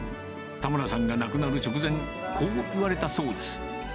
田村さんが亡くなる直前、こう言われたそうです。